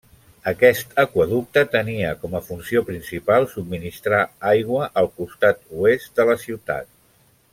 Aquest aqüeducte tenia com a funció principal subministrar aigua al costat oest de la ciutat.